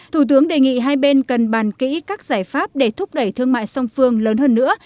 thủ tướng đề nghị hai bên cần bàn kỹ các giải pháp để thúc đẩy thương mại song phương lớn hơn nữa